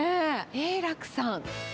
栄楽さん。